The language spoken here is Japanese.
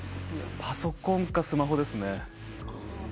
パソコンかスマホですね。